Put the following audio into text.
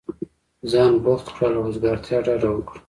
ځان بوخت كړه او له وزګارتیا ډډه وكره!